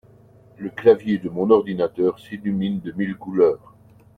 Le clavier de mon ordinateur s'illumine de mille couleurs